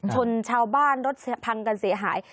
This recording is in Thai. ชนชาวบ้านรถพังกันเสียหาย